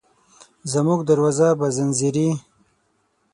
زموږ دروازه به ځینځېرې،